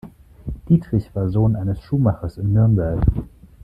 Dietrich war Sohn eines Schuhmachers in Nürnberg.